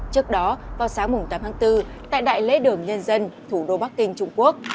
trước đó vào sáng tám tháng bốn tại đại lễ đường nhân dân thủ đô bắc kinh trung quốc